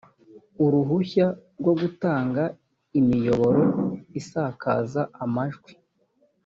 uruhushya rwo gutanga imiyoboro isakaza amajwi